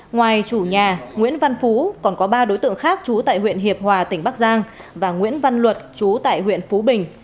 ngoài chủ nhà nguyễn văn phú còn có ba đối tượng khác trú tại huyện hiệp hòa tỉnh bắc giang và nguyễn văn luật chú tại huyện phú bình